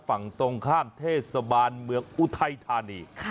ฝั่งตรงข้ามเทศบาลเมืองอุทัยธานี